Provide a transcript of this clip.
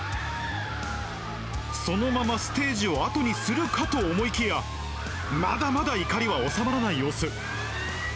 そのままステージを後にするかと思いきや、まだまだ怒りは収まらない様子。